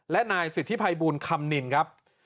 และนายสิทธิภัยบูลคำนินครับ